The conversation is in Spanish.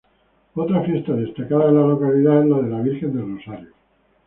Otra fiesta destacada de la localidad es la de la Virgen del Rosario.